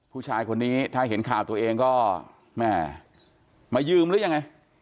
ผู้ชายคนนี้ถ้าเห็นข่าวตัวเองก็แม่มายืมหรือยังไง